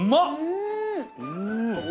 うん！